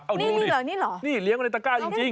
เอางูนี่เหรอนี่เหรอนี่เลี้ยงไว้ในตะก้าจริง